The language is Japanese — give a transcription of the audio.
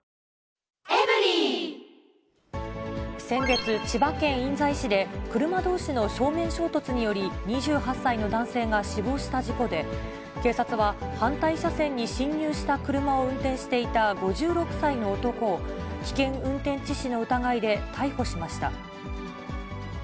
先月、千葉県印西市で、車どうしの正面衝突により、２８歳の男性が死亡した事故で、警察は、反対車線に進入した車を運転していた５６歳の男を、危険運転致死の疑いで逮捕しました。